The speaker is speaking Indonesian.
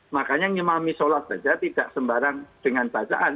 makanya ngimami sholat beza tidak sembarang dengan bacaan